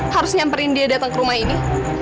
harus nyamperin dia datang ke rumah ini